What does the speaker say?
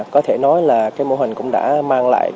có thể nói là cái mô hình cũng đã mang lại